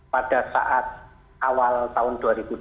pada saat awal tahun dua ribu dua puluh